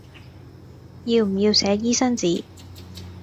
要唔要寫醫生紙